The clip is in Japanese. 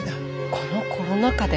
このコロナ禍で。